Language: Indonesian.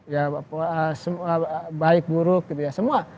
ya baik buruk gitu ya semua